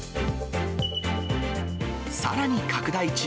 さらに拡大中！